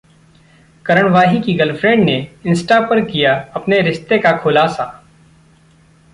करण वाही की गर्लफ्रेंड ने इंस्टा पर किया अपने रिश्ते का खुलासा